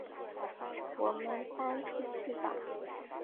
我们搬出去吧